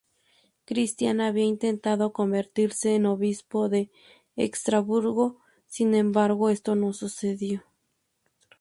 Cristián había intentado convertirse en Obispo de Estrasburgo; sin embargo, esto no sucedió.